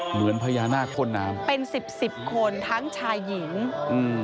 เหมือนพญานาคพ่นน้ำเป็นสิบสิบคนทั้งชายหญิงอืม